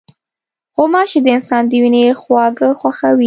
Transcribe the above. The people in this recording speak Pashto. غوماشې د انسان د وینې خواږه خوښوي.